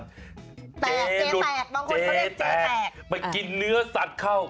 เจรุดเจแตกไปกินเนื้อสัตว์เข้า